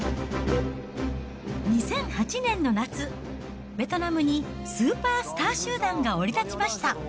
２００８年の夏、ベトナムにスーパースター集団が降り立ちました。